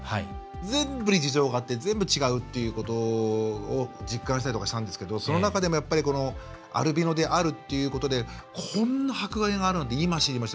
全部に事情があって全部、違うということを実感したりとかしたんですけどその中でもアルビノであるということでこんなに迫害があるなんて今、知りました。